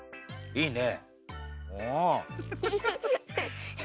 いいね！